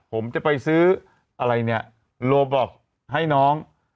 ผมจะไปซื้ออะไรเนี่ยโลบล็อกให้น้อง